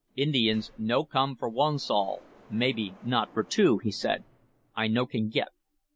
"Indians no come for one sol, mebby not for two," he said. "I no can git."